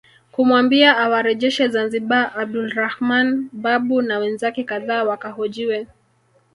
Kumwambia awarejeshe Zanzibar Abdulrahman Babu na wenzake kadhaa wakahojiwe